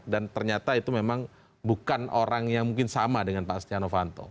dan ternyata itu memang bukan orang yang mungkin sama dengan pak astiano vanto